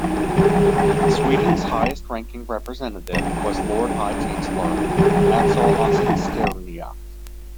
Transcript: Sweden's highest ranking representative was Lord High Chancellor Axel Oxenstierna.